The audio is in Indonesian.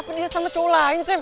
kok dia sama cowok lain sam